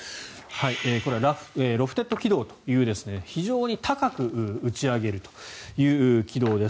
これはロフテッド軌道という非常に高く打ち上げるという軌道です。